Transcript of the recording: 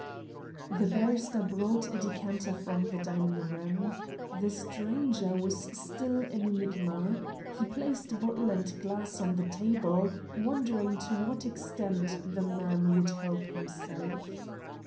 The barrister brought a decanter from the dining room. The stranger was still an enigma. He placed bottle and glass on the table, wondering to what extent the man would help himself.